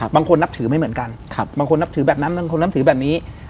นับถือไม่เหมือนกันบางคนนับถือแบบนั้นบางคนนับถือแบบนี้